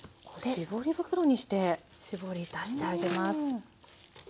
絞り出してあげます。